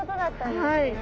はい。